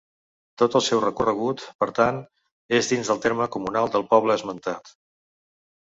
Tot el seu recorregut, per tant, és dins del terme comunal del poble esmentat.